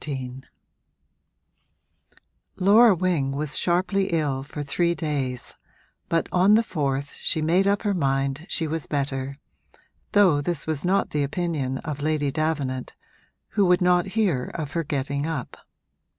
XIII Laura Wing was sharply ill for three days, but on the fourth she made up her mind she was better, though this was not the opinion of Lady Davenant, who would not hear of her getting up.